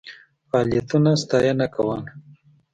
فعالیتونو ستاینه کول.